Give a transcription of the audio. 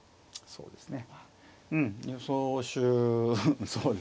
そうですね。